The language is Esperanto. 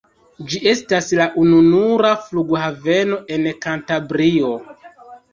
Ĝi estas la ununura flughaveno en Kantabrio.